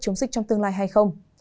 chống dịch trong tương lai hay không